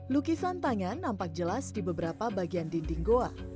lukisan tangan nampak jelas di beberapa bagian dinding goa